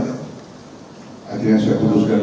tapi akhirnya saya putuskan